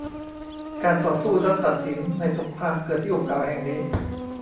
การต่อสู้นัดตัดสินในสงครามเกิดที่หุบเขาแห่งนี้